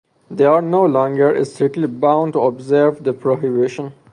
They are no longer strictly bound to observe the prohibition.